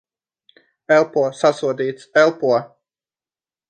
Elpo. Sasodīts. Elpo!